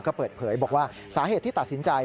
ก็เปิดเผยบอกว่าสาเหตุที่ตัดสินใจ